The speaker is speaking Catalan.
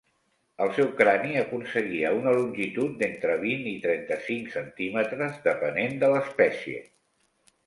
El seu crani aconseguia una longitud d'entre vint i trenta-cinc centímetres, depenent de l'espècie.